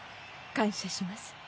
感謝します